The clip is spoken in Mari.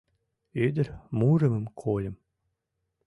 Ӱдыр мурымым кольым.